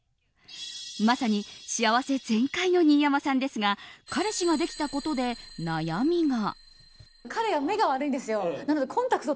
まさに幸せ全開の新山さんですが彼氏ができたことで悩みが。